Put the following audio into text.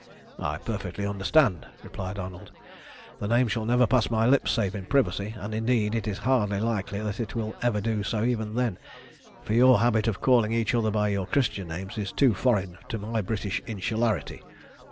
"I perfectly understand," replied Arnold. "The name shall never pass my lips save in privacy, and indeed it is hardly likely that it will ever do so even then, for your habit of calling each other by your Christian names is too foreign to my British insularity."